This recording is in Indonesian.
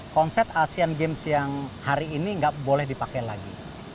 konsep asean games yang hari ini nggak boleh dipakai lagi